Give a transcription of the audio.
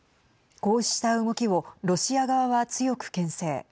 こうした動きをロシア側は強くけん制。